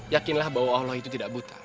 yakinlah bahwa allah itu tidak buta